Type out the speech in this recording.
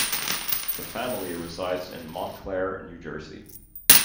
The family resides in Montclair, New Jersey.